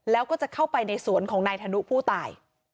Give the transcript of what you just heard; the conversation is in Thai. แล้วก็จะเข้าไปในสวนของนายธนุผู้ตาย